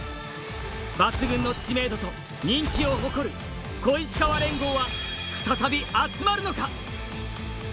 抜群の知名度と人気を誇る小石河連合は再び集まるのか？